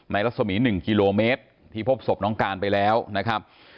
รัศมี๑กิโลเมตรที่พบศพน้องการไปแล้วนะครับ